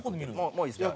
もういいですか？